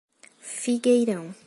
Figueirão